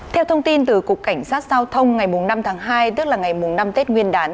theo thông tin từ cục cảnh sát giao thông ngày năm tháng hai tức là ngày năm tết nguyên đán